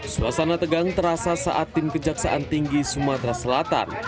suasana tegang terasa saat tim kejaksaan tinggi sumatera selatan